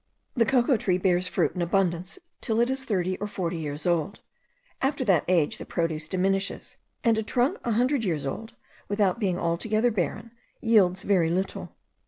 The cocoa tree bears fruit in abundance till it is thirty or forty years old; after that age the produce diminishes, and a trunk a hundred years old, without being altogether barren, yields very little.